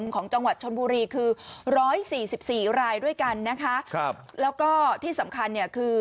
ของจังหวัดชนบุรีคือร้อยสี่สิบสี่รายด้วยกันนะคะครับแล้วก็ที่สำคัญเนี่ยคือ